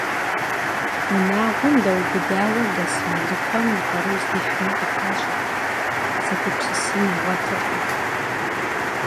Унагъуэм дэубыдауэ дэс мэлыхъуэхьэм и къарур здихьынур къыхуэщӀэркъым, зэгупсысын игъуэтыркъым.